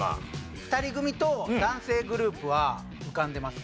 ２人組と男性グループは浮かんでますね。